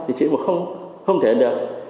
thì chị bảo không không thể được